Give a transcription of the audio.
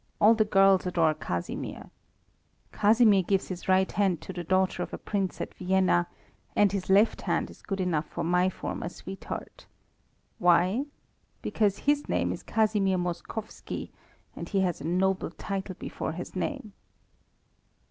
All the girls adore Casimir. Casimir gives his right hand to the daughter of a prince at Vienna, and his left hand is good enough for my former sweetheart. Why? Because his name is Casimir Moskowski, and he has a noble title before his name.